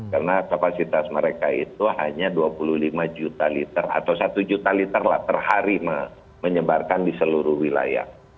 karena kapasitas mereka itu hanya dua puluh lima juta liter atau satu juta liter lah terhari menyebarkan di seluruh wilayah